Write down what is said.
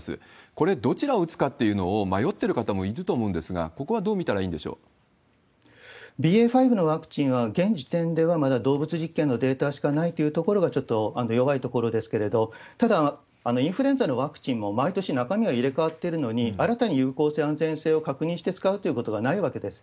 これ、どちらを打つかというのを迷ってる方もいると思うんですが、ここＢＡ．５のワクチンは、現時点ではまだ動物実験のデータしかないというところが、ちょっと弱いところですけれども、ただ、インフルエンザのワクチンも毎年、中身は入れ替わってるのに、新たに有効性、安全性を確認して使うということはないわけです。